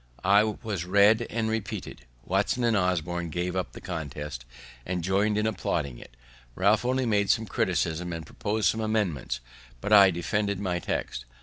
It was read and repeated; Watson and Osborne gave up the contest, and join'd in applauding it. Ralph only made some criticisms, and propos'd some amendments; but I defended my text.